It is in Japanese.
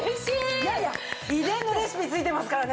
いやいや秘伝のレシピ付いてますからね。